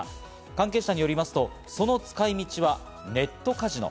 関係者によりますとその使い道はネットカジノ。